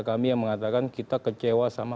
kami yang mengatakan kita kecewa sama